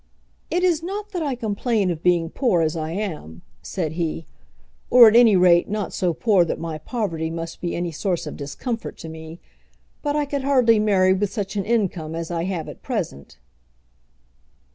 "It is not that I complain of being poor as I am," said he; "or at any rate, not so poor that my poverty must be any source of discomfort to me; but I could hardly marry with such an income as I have at present."